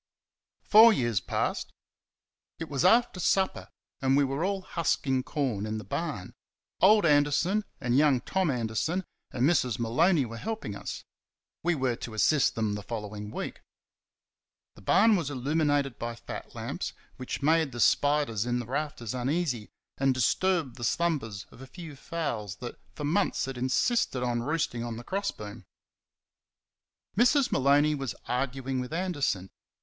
Four years passed. It was after supper, and we were all husking corn in the barn. Old Anderson and young Tom Anderson and Mrs. Maloney were helping us. We were to assist them the following week. The barn was illuminated by fat lamps, which made the spiders in the rafters uneasy and disturbed the slumbers of a few fowls that for months had insisted on roosting on the cross beam. Mrs. Maloney was arguing with Anderson.